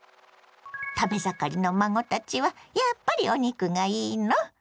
食べ盛りの孫たちはやっぱりお肉がいいの？